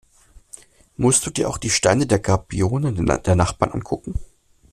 Musst du dir auch die Steine der Gabionen der Nachbarn angucken?